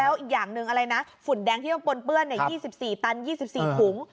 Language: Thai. แล้วอีกอย่างหนึ่งอะไรนะฝุ่นแดงที่ต้องปนเปื้อน๒๔ตัน๒๔ถุง